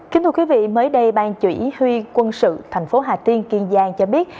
kính thưa quý vị mới đây ban chủ y huy quân sự tp hà tiên kiên giang cho biết